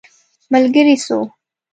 ملګری سو.